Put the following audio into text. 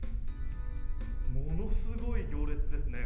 ものすごい行列ですね。